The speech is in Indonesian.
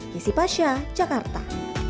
yesi pasha jakarta